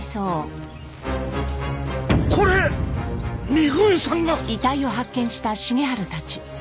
これ美冬さんが。